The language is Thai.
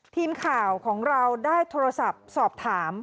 ทีมข่าวของเราได้โทรศัพท์สอบถาม